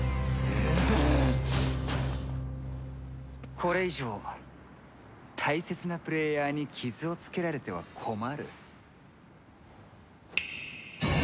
これ以上大切なプレーヤーに傷をつけられては困る。